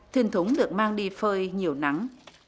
thuyền thúng được mang đi phơi nhiều nắng